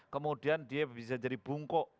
kemudian dia bisa jadi bungkuk